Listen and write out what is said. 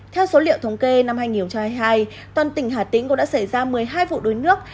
theo số liệu thống kê năm hai nghìn hai mươi hai toàn tỉnh hà tĩnh cũng đã xảy ra một mươi hai vụ đuối nước